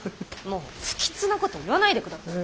もう不吉なこと言わないで下さい。